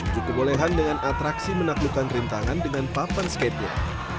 cukup kebolehan dengan atraksi menaklukkan rintangan dengan papan skateboard